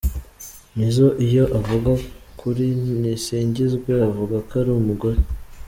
Nizzo iyo avuga kuri Nisingizwe avuga ko ari “umugore”.